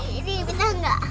ini bener gak